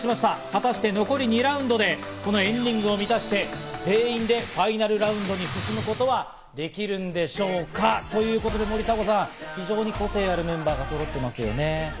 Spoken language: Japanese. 果たして残り２ラウンドでこの＆ＲＩＮＧを満たして全員でファイナルラウンドに進むことはできるんでしょうか？ということで森迫さん、非常に個性溢れるメンバーがそろっていますね。